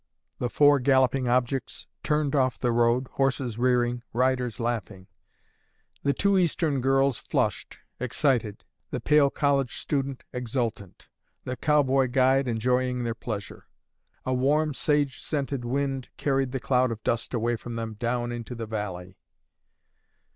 The four galloping objects turned off the road, horses rearing, riders laughing; the two Eastern girls flushed, excited; the pale college student exultant; the cowboy guide enjoying their pleasure. A warm, sage scented wind carried the cloud of dust away from them down into the valley.